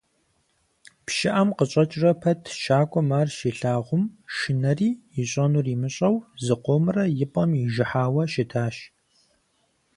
ПщыӀэм къыщӀэкӀрэ пэт щакӀуэм ар щилъагъум, шынэри ищӀэнур имыщӀэу зыкъомрэ и пӏэм ижыхьауэ щытащ.